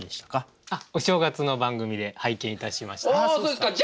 お正月の番組で拝見いたしました。